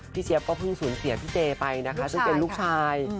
เจี๊ยบก็เพิ่งสูญเสียพี่เจไปนะคะซึ่งเป็นลูกชาย